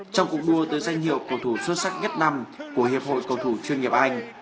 trong cuộc đua tới danh hiệu cầu thủ xuất sắc nhất năm của hiệp hội cầu thủ chuyên nghiệp anh